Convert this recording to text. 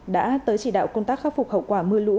đã tới chỉ đạo công tác khắc phục hậu quả mưa lũ